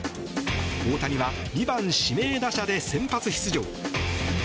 大谷は２番指名打者で先発出場。